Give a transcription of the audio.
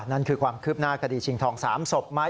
นั่นคือความคืบหน้ากระดิษฐ์ชิงทอง๓ศพมาอีก